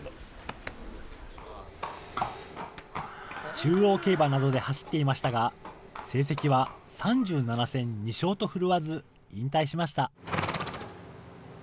中央競馬などで走っていましたが、成績は３７戦２勝と振るわず、引退しました。